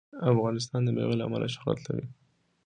افغانستان د مېوې له امله شهرت لري.